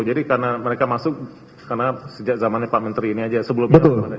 jadi karena mereka masuk karena sejak zamannya pak menteri ini aja sebelumnya